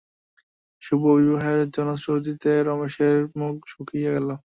শুভবিবাহের জনশ্রুতিতে রমেশের মুখ শুকাইয়া গেল।